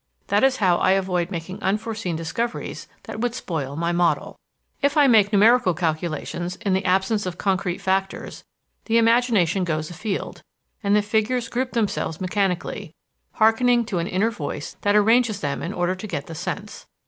That is how I avoid making unforeseen discoveries that would spoil my model. "If I make numerical calculations, in the absence of concrete factors, the imagination goes afield, and the figures group themselves mechanically, harkening to an inner voice that arranges them in order to get the sense.